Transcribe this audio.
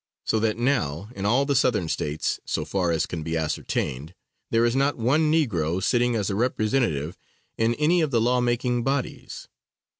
So that, now in all the Southern States, so far as can be ascertained, there is not one negro sitting as a representative in any of the law making bodies.